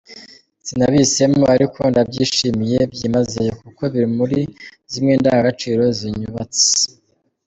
Sinabihisemo, ariko ndabyishimiye byimazeyo, kuko biri muri zimwe ndangagaciro zinyubatse.